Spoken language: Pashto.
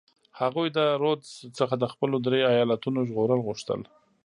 هغوی د رودز څخه د خپلو درې ایالتونو ژغورل غوښتل.